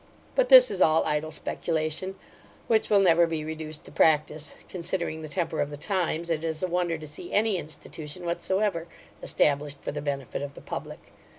But this is all idle speculation, which will never be reduced to practice Considering the temper of the times, it is a wonder to see any institution whatsoever established for the benefit of the Public.